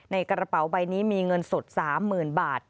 กระเป๋าใบนี้มีเงินสด๓๐๐๐บาท